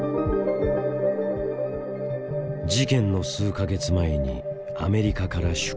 事件の数か月前にアメリカから出国。